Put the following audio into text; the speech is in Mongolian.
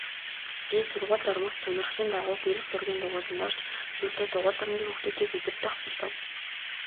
Би сургуульд ормогц сонирхлын дагуу гэрэл зургийн дугуйланд орж сүүлдээ дугуйлангийн хүүхдүүдийг удирдах болов.